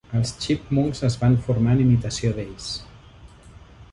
Els Chipmunks és van formar en imitació d'ells.